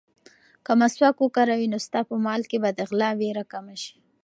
که مسواک وکاروې، نو ستا په مال کې به د غلا وېره کمه شي.